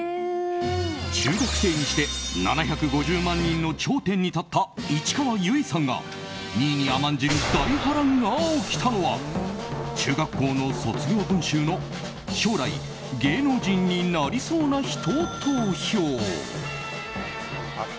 中学生にして７５０万人の頂点に立った市川由衣さんが、２位に甘んじる大波乱が起きたのは中学校の卒業文集の将来芸能人になりそうな人投票。